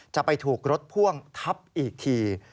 จะไปถูกรถพ่วงทับอีกที